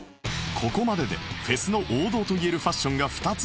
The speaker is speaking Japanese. ここまででフェスの王道といえるファッションが２つ登場